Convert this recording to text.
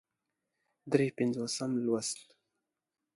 درې پينځوسم لوست